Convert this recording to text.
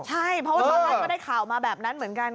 ใช่เพราะว่าตอนแรกก็ได้ข่าวมาแบบนั้นเหมือนกัน